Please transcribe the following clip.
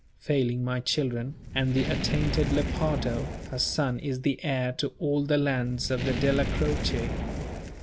Failing my children, and the attainted Lepardo, her son is the heir to all the lands of the Della Croce.